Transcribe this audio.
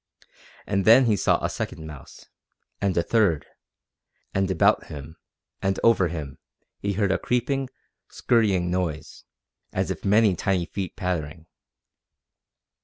And then he saw a second mouse, and a third, and about him, and over him, he heard a creeping, scurrying noise, as of many tiny feet pattering.